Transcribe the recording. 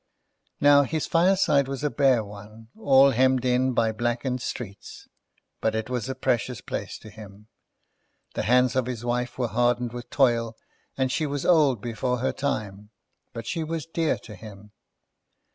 Now, his fireside was a bare one, all hemmed in by blackened streets; but it was a precious place to him. The hands of his wife were hardened with toil, and she was old before her time; but she was dear to him.